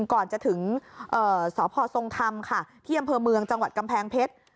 ก่อนจะถึงสพทรงธรรมค่ะที่อำเภอเมืองจังหวัดกำแพงเพชร